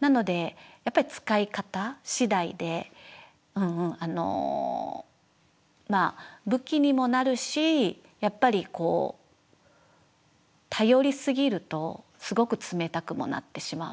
なのでやっぱり使い方次第で武器にもなるしやっぱりこう頼りすぎるとすごく冷たくもなってしまう。